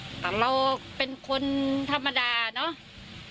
เกิดว่าจะต้องมาตั้งโรงพยาบาลสนามตรงนี้